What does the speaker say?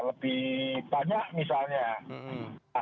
lebih banyak misalnya